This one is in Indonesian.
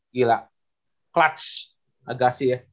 gila clutch agak sih ya